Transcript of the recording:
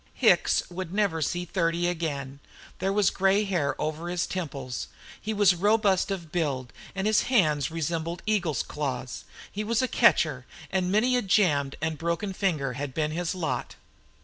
Hicks would never see thirty again; there was gray hair over his temples; he was robust of build and his hands resembled eagles' claws. He was a catcher, and many a jammed and broken finger had been his lot.